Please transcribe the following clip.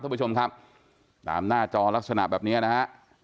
คุณผู้ชมครับตามหน้าจอลักษณะแบบเนี้ยนะฮะ